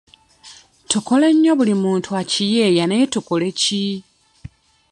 Tukole nnyo buli omu akiyeeya naye tukole Ki?